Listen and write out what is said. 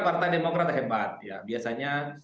partai demokrat hebat biasanya